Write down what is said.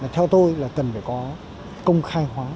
theo tôi là cần phải có công khai hóa